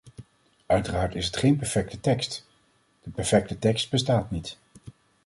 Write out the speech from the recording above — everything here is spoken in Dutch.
Uiteraard is het geen perfecte tekst; de perfecte tekst bestaat niet.